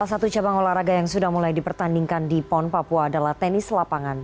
salah satu cabang olahraga yang sudah mulai dipertandingkan di pon papua adalah tenis lapangan